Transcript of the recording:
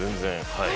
はい。